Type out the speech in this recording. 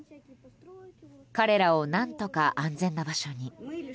彼らを何とか安全な場所に。